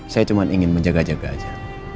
saya cuma ingin menjaga jaga saja